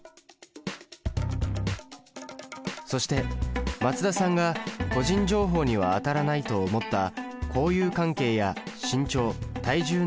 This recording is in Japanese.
そして松田さんが個人情報にはあたらないと思った交友関係や身長・体重などの情報。